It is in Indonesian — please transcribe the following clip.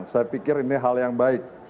saya pikir ini hal yang baik